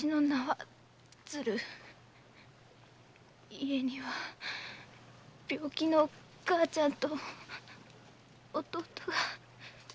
家には病気の母ちゃんと弟が一人。